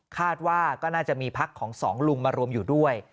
คาดว่าก็น่าจะมีพักของสองลุงมารวมอยู่ด้วย